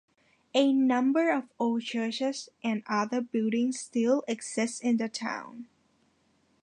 A number of old churches and other buildings still exist in the town.